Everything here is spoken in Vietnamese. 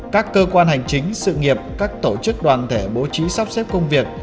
các cơ quan hành chính sự nghiệp các tổ chức đoàn thể bố trí sắp xếp công việc